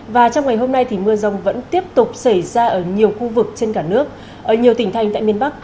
và trong ngày hôm nay thì mưa rông vẫn tiếp tục xảy ra ở nhiều khu vực trên cả nước ở nhiều tỉnh thành tại miền bắc